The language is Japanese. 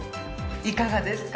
いかがですか？